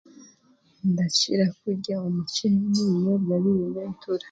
Ndakira kurya omuceeri n'ebinyoobwa birimu entura.